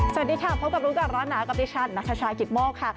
สวัสดีค่ะพบกับรู้ก่อนร้อนหนาวกับดิฉันนัทชายกิตโมกค่ะ